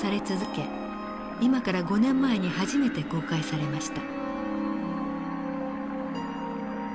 今から５年前に初めて公開されました。